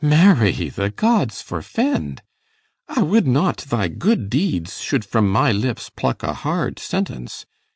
Marry, the gods forfend! I would not thy good deeds should from my lips Pluck a hard sentence.